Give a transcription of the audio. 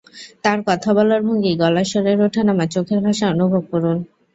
তার কথা বলার ভঙ্গি, গলার স্বরের ওঠানামা, চোখের ভাষা অনুভব করুন।